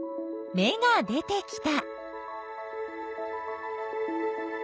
芽が出てきた。